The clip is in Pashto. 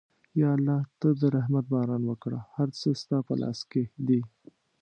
یا الله ته د رحمت باران وکړه، هر څه ستا په لاس کې دي.